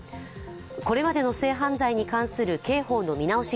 これまでの性犯罪に関する刑法の見直し